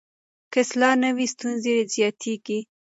که اصلاح نه وي، ستونزې زیاتېږي.